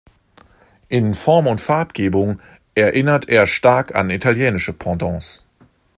In Form und Farbgebung erinnert er stark an italienische Pendants.